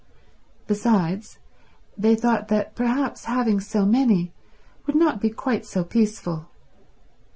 Besides they thought that perhaps having so many would not be quite so peaceful.